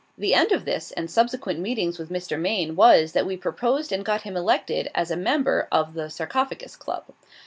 The end of this and subsequent meetings with Mr. Maine was, that we proposed and got him elected as a member of the 'Sarcophagus Club.'